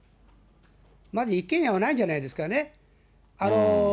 まず、一軒家はないんじゃないですかね。